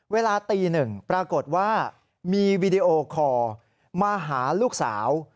เวลาตีหนึ่งปรากฏว่ามีวีดีโอคอร์มาหาลูกสาว